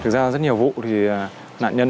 thực ra rất nhiều vụ thì nạn nhân